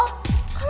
kalo pacar ya